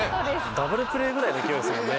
ダブルプレーぐらいの勢いですもんね。